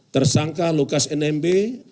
tersangka lukas nmb